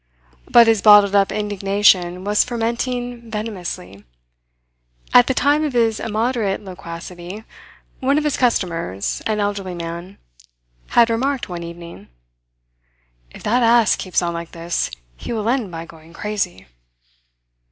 But his bottled up indignation was fermenting venomously. At the time of his immoderate loquacity one of his customers, an elderly man, had remarked one evening: "If that ass keeps on like this, he will end by going crazy."